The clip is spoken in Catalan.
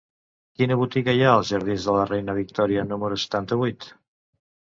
Quina botiga hi ha als jardins de la Reina Victòria número setanta-vuit?